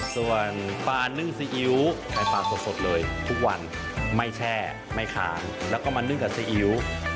ส่วนปลานึ่งซีอิ๊วใช้ปลาสดเลยทุกวันไม่แช่ไม่ขานแล้วก็มานึ่งกับซีอิ๊ว